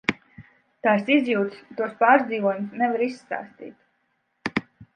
Tās izjūtas, tos pārdzīvojumus nevar izstāstīt.